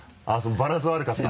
バランス悪かった？